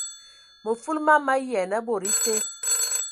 Mə fulu mam ma yian a bod été.